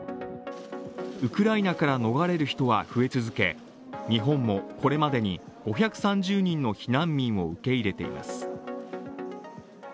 ウクライナから逃れる人は増え続け、日本もこれまでに５３０人の避難民を受け入れています。